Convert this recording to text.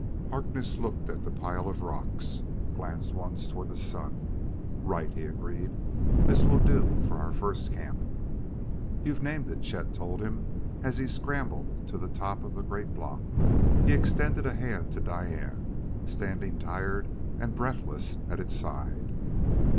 Harkness looked at the pile of rocks; glanced once toward the sun. "Right!" he agreed. "This will do for our first camp." "You've named it," Chet told him as he scrambled to the top of a great block. He extended a hand to Diane, standing tired and breathless at its side.